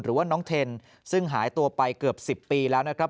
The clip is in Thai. หรือว่าน้องเทนซึ่งหายตัวไปเกือบ๑๐ปีแล้วนะครับ